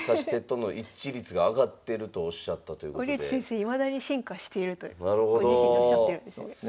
いまだに進化しているとご自身でおっしゃってるんですよね。